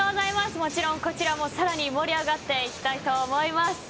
もちろんこちらもさらに盛り上がっていきたいと思います。